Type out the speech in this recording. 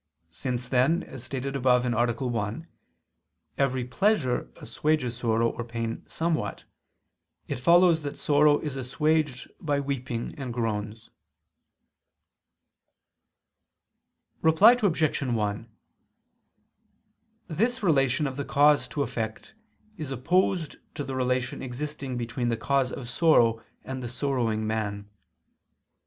Since then, as stated above (A. 1), every pleasure assuages sorrow or pain somewhat, it follows that sorrow is assuaged by weeping and groans. Reply Obj. 1: This relation of the cause to effect is opposed to the relation existing between the cause of sorrow and the sorrowing man.